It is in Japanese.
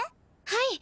はい！